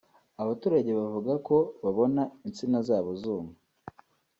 Abaturage bavuga ko babona insina zabo zuma